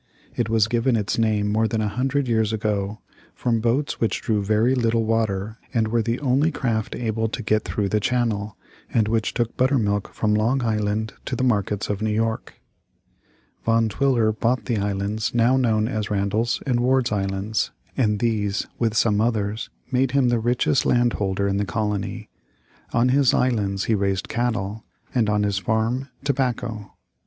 It was given its name more than a hundred years ago, from boats which drew very little water, and were the only craft able to get through the channel, and which took buttermilk from Long Island to the markets of New York. [Illustration: Governor's Island and the Battery in 1850.] Van Twiller bought the islands now known as Randall's and Ward's Islands, and these, with some others, made him the richest landholder in the colony. On his islands he raised cattle, and on his farm tobacco.